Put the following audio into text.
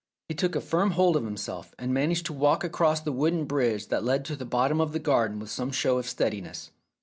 ... He took a firm hold of himself, and managed to walk across the wooden bridge that led to the bottom of the garden with some show of steadiness.